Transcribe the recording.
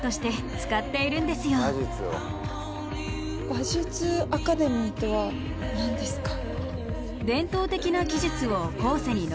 馬術アカデミーとは何ですか？